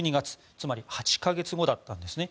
つまり８か月後だったんですね。